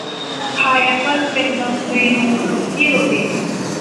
พายแอปเปิ้ลเป็นเมนูขนมที่โดดเด่น